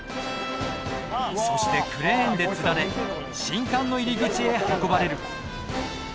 そしてクレーンでつられ新館の入り口へ運ばれる。